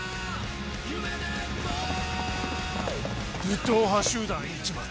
武闘派集団市松。